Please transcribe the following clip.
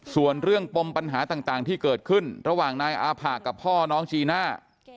ส่วนเรื่องปมปัญหาต่างที่เกิดขึ้นระหว่างนายอาผะกับพ่อน้องจีน่า